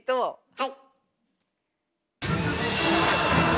はい。